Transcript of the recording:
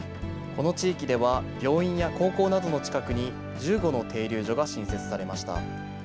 この地域では、病院や高校などの近くに、１５の停留所が新設されました。